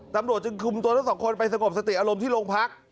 ตำรวจจึงคุมตัวทั้งสองคนไปสงบสติอารมณ์ที่โรงพัก